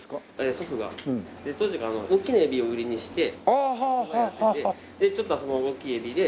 祖父が当時が大きな海老を売りにしておそばやっててちょっとその大きい海老で。